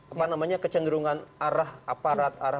apa namanya kecenderungan arah aparat arah